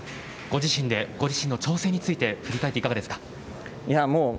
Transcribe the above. ご自身でご自身の挑戦について振り返っていかがですか？